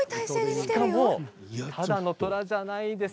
しかもただの虎ではないんです。